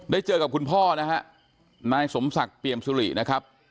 เจอกับคุณพ่อนะฮะนายสมศักดิ์เปรียมสุรินะครับ